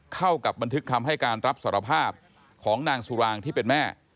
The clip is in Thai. เข้ากับบันทึกคำให้การรับสารภาพของนางสุรางที่เป็นแม่